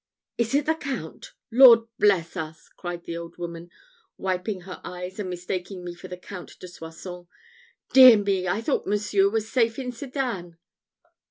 "Is it the Count? Lord bless us!" cried the old woman, wiping her eyes, and mistaking me for the Count de Soissons: "dear me! I thought monseigneur was safe at Sedan."